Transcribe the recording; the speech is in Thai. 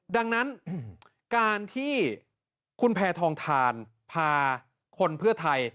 ดังนั้นการที่คุณแพทองทานพาคนเพื่อไทย